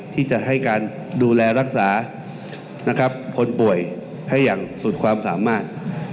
ที่จะให้การดูแลรักษานะครับคนป่วยให้อย่างสุดความสามารถ